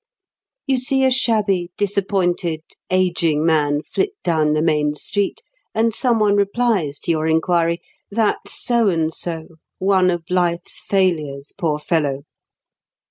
You see a shabby, disappointed, ageing man flit down the main street, and someone replies to your inquiry: "That's So and so, one of life's failures, poor fellow!"